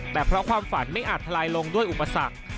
แต่เพราะความฝันไม่อาจทลายลงด้วยอุปสรรค